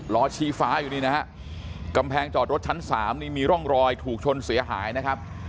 ล้อชี้ฟ้าอยู่นี่นะฮะกำแพงจอดรถชั้น๓นี่มีร่องรอยถูกชนเสียหายนะครับ